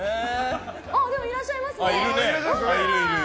でも、いらっしゃいますね。